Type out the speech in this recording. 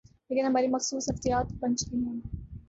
لیکن ہماری مخصوص نفسیات بن چکی ہے۔